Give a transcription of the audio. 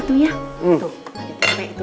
tuh ada tipe itu